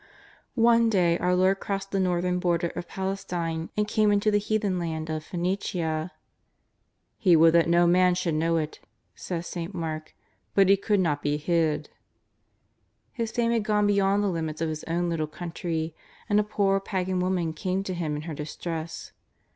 One day our Lord crossed the northern border of Palestine and came into the heathen land of Phoenicia. " He would that no man should know it," says St. Mark, " but He could not be hid." His fame had gone beyond the limits of His o^^^l little country, and a poor pagan ^oman came to Him in her distress.